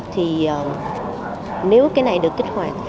thì nếu cái này được kích hoạt